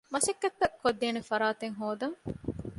މަސައްކަތްތައް ކޮށްދޭނެ ފަރާތެއް ހޯދަން